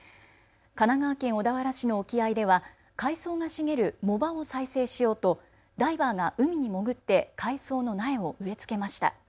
神奈川県小田原市の沖合では海藻が茂る藻場を再生しようとダイバーが海に潜って海藻の苗を植え付けました。